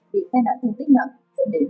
vì tai nạn thương tích nặng dẫn đến